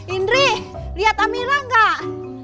indri lihat amirah gak